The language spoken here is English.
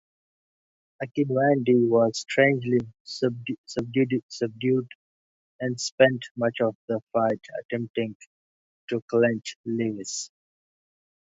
Akinwande was strangely subdued and spent much of the fight attempting to clinch Lewis.